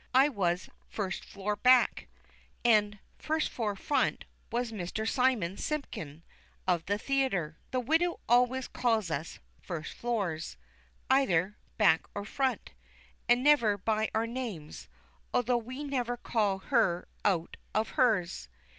I was "first floor back"; and "first floor front" was Mr. Simon Simpkin, of the Theatre. The widow always called us "first floors," either "back" or "front," and never by our names, although we never called her out of hers.